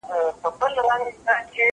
زه اجازه لرم چي چپنه پاک کړم!!